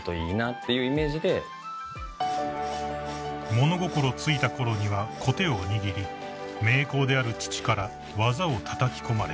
［物心ついたころにはこてを握り名工である父から技をたたき込まれた］